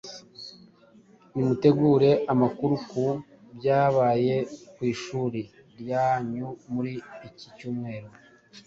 Nimutegure amakuru ku byabaye ku ishuri ryanyu muri iki cyumweru,